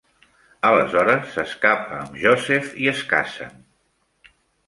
Aleshores, s'escapa amb Joseph i es casen.